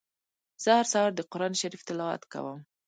زه هر سهار د قرآن شريف تلاوت کوم.